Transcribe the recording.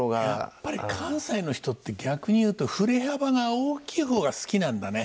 やっぱり関西の人って逆に言うと振り幅が大きい方が好きなんだね。